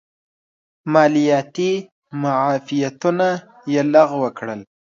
مالیاتي معافیتونه یې لغوه کړل.